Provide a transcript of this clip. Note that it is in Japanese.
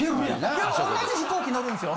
でも同じ飛行機乗るんすよ。